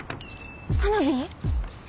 花火？